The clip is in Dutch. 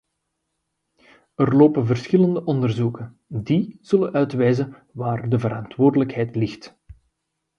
Er lopen verschillende onderzoeken, die zullen uitwijzen waar de verantwoordelijkheid ligt.